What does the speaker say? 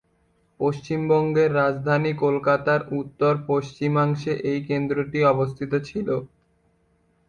পশ্চিমবঙ্গের রাজধানী কলকাতার উত্তর-পশ্চিমাংশে এই কেন্দ্রটি অবস্থিত ছিল।